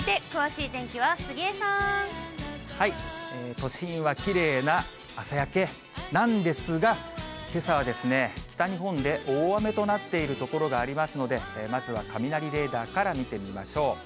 都心はきれいな朝焼けなんですが、けさはですね、北日本で大雨となっている所がありますので、まずは雷レーダーから見てみましょう。